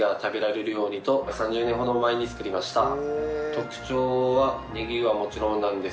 特徴はネギはもちろんなんですが。